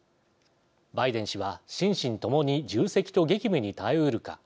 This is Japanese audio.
バイデン氏は、心身ともに重責と激務に耐えうるか。